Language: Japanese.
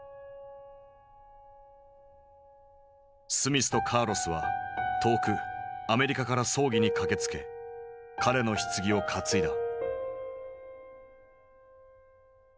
スミスとカーロスは遠くアメリカから葬儀に駆けつけ彼のひつぎを担いだ。